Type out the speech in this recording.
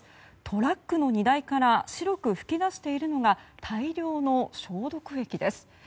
トラックの荷台から白く噴き出しているのは大量の消毒液です。